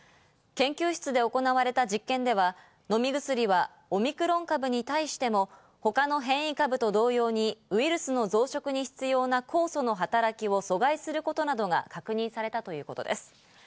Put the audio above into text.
研究室で行われた実験では、飲み薬はオミクロン株に対しても他の変異株と同様にウイルスの増殖に必要な酵素の働きを阻害することなどが確認されたということです。